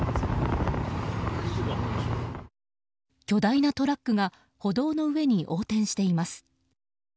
巨大なトラックが歩道の上に横転しています。